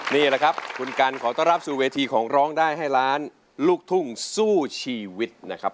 นี่แหละครับคุณกันขอต้อนรับสู่เวทีของร้องได้ให้ล้านลูกทุ่งสู้ชีวิตนะครับ